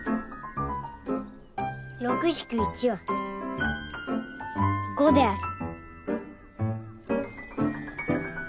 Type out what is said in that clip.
６ひく１は５である。